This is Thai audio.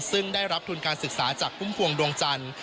ซึ่งได้รับทุนการศึกษาจากพุ่มพวงดวงจันทร์